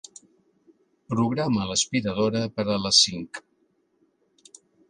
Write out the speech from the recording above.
Programa l'aspiradora per a les cinc.